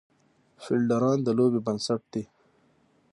فیلډران د بازۍ بېنسټ دي.